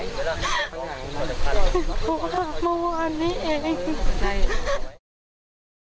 โทรคุยกันเมื่อวานนี้เอง